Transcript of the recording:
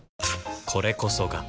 これこそが